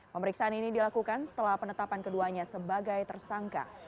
pemeriksaan ini dilakukan setelah penetapan keduanya sebagai tersangka